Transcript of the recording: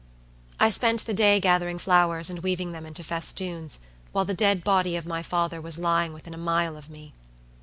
I spent the day gathering flowers and weaving them into festoons, while the dead body of my father was lying within a mile of me.